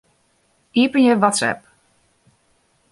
Iepenje WhatsApp.